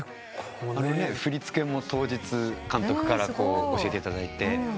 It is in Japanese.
振り付けも当日監督から教えていただいて。